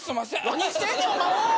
何してんねんお前！